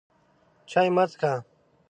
چای مه څښه!